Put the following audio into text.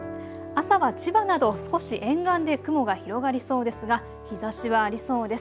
朝は千葉など少し沿岸で雲が広がりそうですが日ざしはありそうです。